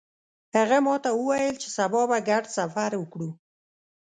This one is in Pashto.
هغه ماته وویل چې سبا به ګډ سفر وکړو